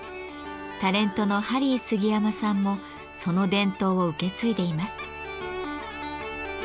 タレントのハリー杉山さんもその伝統を受け継いでいます。